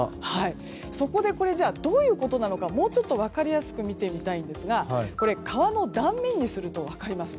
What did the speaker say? そこで、どういうことなのかもう少し分かりやすく見てみたいんですが川の断面にすると分かります。